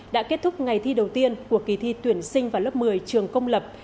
đã kết thúc ngày thi đầu tiên của kỳ thi tuyển sinh vào lớp một mươi trường công lập